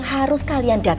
itu kan ah